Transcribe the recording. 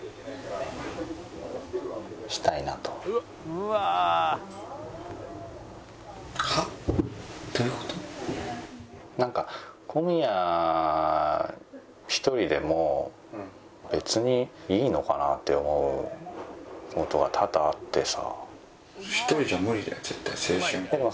「うわー」なんか小宮１人でも別にいいのかなって思う事が多々あってさ。